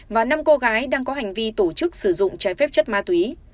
và năm cô gái đang có hành vi tổ chức sử dụng trái phép chất ma túy